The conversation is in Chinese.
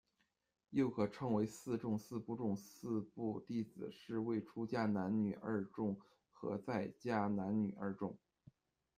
又可称为四众、四部众、四部弟子，是谓出家男女二众和在家男女二众。